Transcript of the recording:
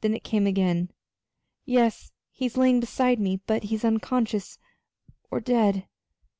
Then it came again. "Yes. He's lying beside me, but he's unconscious or dead."